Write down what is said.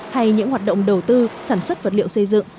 hay những hoạt động đầu tư sản xuất vật liệu xây dựng